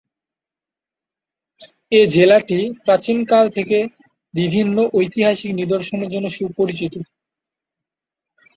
এ জেলাটি প্রাচীন কাল থেকে বিভিন্ন ঐতিহাসিক নিদর্শনের জন্য সুপরিচিত।